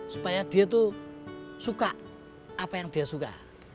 supaya dia tuh suka apa yang dia suka